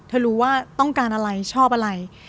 รู้ว่าต้องการอะไรชอบอะไร